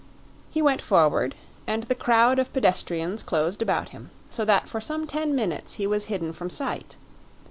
He went forward, and the crowd of pedestrians closed about him, so that for some ten minutes he was hidden from sight.